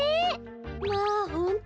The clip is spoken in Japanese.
まあほんと？